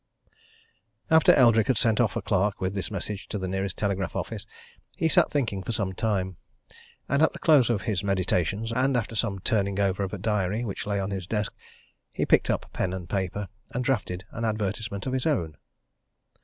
After Eldrick had sent off a clerk with this message to the nearest telegraph office, he sat thinking for some time. And at the close of his meditations, and after some turning over of a diary which lay on his desk, he picked up pen and paper, and drafted an advertisement of his own.